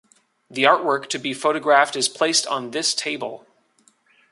The artwork to be photographed is placed on this table.